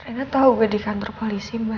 reina tau gue di kantor polisi mba